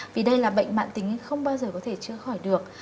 vì đây là bệnh mạng tính không bao giờ có thể chưa khỏi được